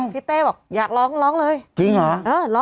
พี่ขับรถไปเจอแบบ